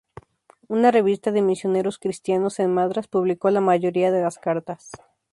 Una revista de misioneros cristianos en Madrás publicó la mayoría de las cartas.